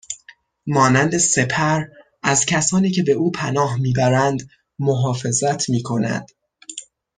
مانند سپر ازکسانی که به او پناه میبرند محافظت میکند